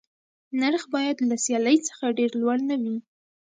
نرخ باید له سیالۍ څخه ډېر لوړ نه وي.